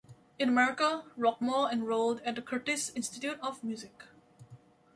In America, Rockmore enrolled at the Curtis Institute of Music.